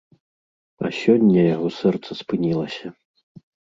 А сёння яго сэрца спынілася.